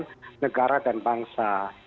persoalan negara dan bangsa